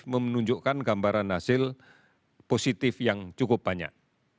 menunjukkan gambaran hasil positif yang cukup banyak